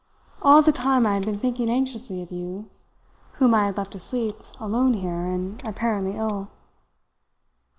All the time I had been thinking anxiously of you, whom I had left asleep, alone here, and apparently ill."